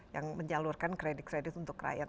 yang menyalurkan kredit kredit untuk rakyat